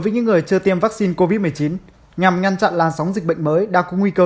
với những người chưa tiêm vaccine covid một mươi chín nhằm ngăn chặn làn sóng dịch bệnh mới đang có nguy cơ